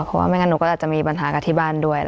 เพราะว่าไม่งั้นหนูก็อาจจะมีปัญหากับที่บ้านด้วย